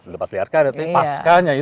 dapat dilihatkan tapi pasca nya